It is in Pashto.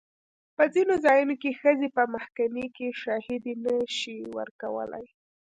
په ځینو ځایونو کې ښځې په محکمې کې شاهدي نه شي ورکولی.